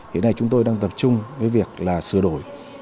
hiện nay chúng tôi đang tập trung với việc là sửa đổi